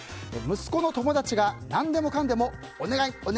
息子の友達が何でもかんでもお願い！